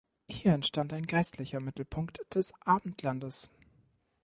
Hier entstand ein geistlicher Mittelpunkt des Abendlandes.